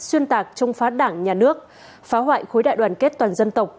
xuyên tạc chống phá đảng nhà nước phá hoại khối đại đoàn kết toàn dân tộc